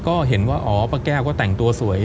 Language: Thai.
ก็เห็นว่าอ๋อป้าแก้วก็แต่งตัวสวย